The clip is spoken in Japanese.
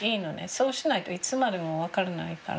そうしないといつまでも分からないから。